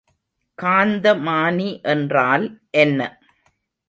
காந்தமானி என்றால் என்ன?